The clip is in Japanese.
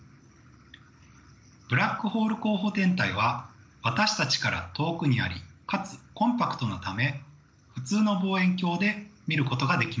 ブラックホール候補天体は私たちから遠くにありかつコンパクトなため普通の望遠鏡で見ることができません。